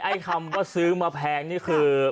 คำว่าซื้อมาแพงนี่คือ